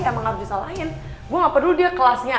emang harus disalahin gue gak peduli dia kelasnya